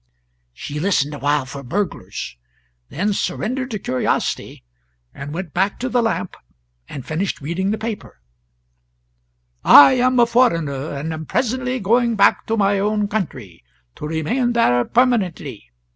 She listened awhile for burglars, then surrendered to curiosity, and went back to the lamp and finished reading the paper: "I am a foreigner, and am presently going back to my own country, to remain there permanently.